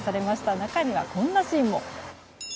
中にはこんなシーンも。